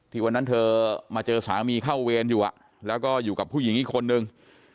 วันนั้นเธอมาเจอสามีเข้าเวรอยู่แล้วก็อยู่กับผู้หญิงอีกคนนึง